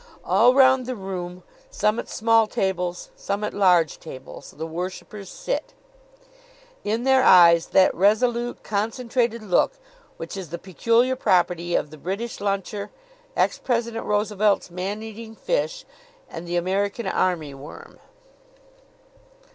All round the room some at small tables, some at large tables the worshipers sit, in their eyes that resolute, concentrated look which is the peculiar property of the British luncher, ex President Roosevelt's man eating fish, and the American army worm.